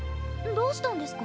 どうしたんですか？